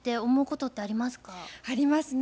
ありますね。